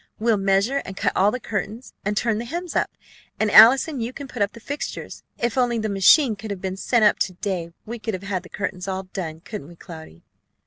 "We'll measure and cut all the curtains, and turn the hems up. And, Allison, you can put up the fixtures. If only the machine could have been sent up to day, we could have had the curtains all done, couldn't we, Cloudy?"